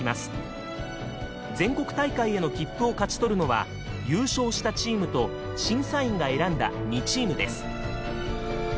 全国大会への切符を勝ち取るのは優勝したチームと審査員が選んだ２チームです。